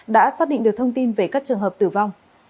đã xác định được thông tin về các trường hợp tử vong